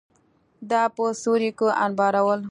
دا په سوریو کې انبارول.